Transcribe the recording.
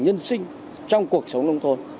nhân sinh trong cuộc sống nông thôn